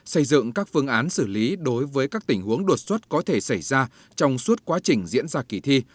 xây dựng các phương án xử lý đối với các tình huống đột xuất có thể xảy ra trong suốt quá trình diễn ra kỳ thi